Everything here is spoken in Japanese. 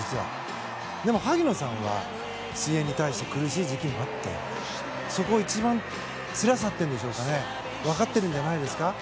でも、萩野さんは水泳に対して苦しい時期もあってそこ一番つらさというか分かっているんじゃないですか。